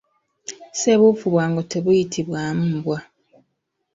Ssebuufu bwa ngo, tebuyitibwamu mbwa.